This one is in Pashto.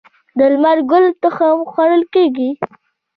د لمر ګل تخم خوړل کیږي.